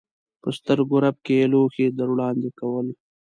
په سترګو رپ کې یې لوښي در وړاندې کول.